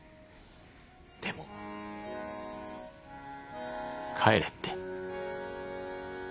でも帰れって。